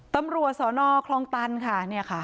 ตำรวจสนคลองตันค่ะเนี่ยค่ะ